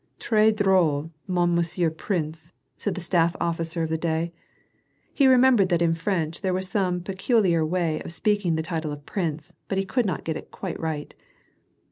"TrM drole, mon monsieur princey^ said the staff officer of the day. He remembered that in French there was some peculiar way of speaking the title of prince, but he could not get it quite right.